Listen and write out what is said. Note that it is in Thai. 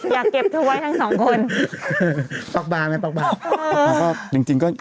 อยากเก็บเท่าไหวทั้งสองคน